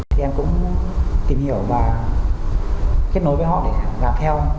thì em cũng tìm hiểu và kết nối với họ để làm theo